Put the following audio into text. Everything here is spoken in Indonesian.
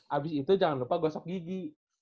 habis itu jangan lupa gosok gigi